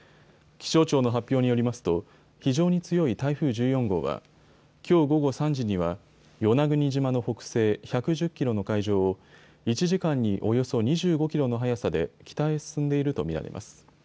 気象庁の発表によりますと非常に強い台風１４号はきょう午後３時には与那国島の北西１１０キロの海上を１時間におよそ２５キロの速さで北へ進んでいると見られます。